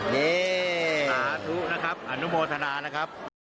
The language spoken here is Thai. นี่สาธุนะครับอนุโมทนานะครับ